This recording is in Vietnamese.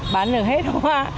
bán được hết hoa